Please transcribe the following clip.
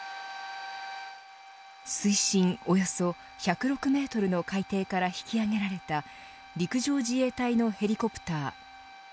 水深およそ１０６メートルの海底から引き揚げられた陸上自衛隊のヘリコプター。